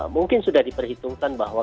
mungkin sudah diperhitungkan bahwa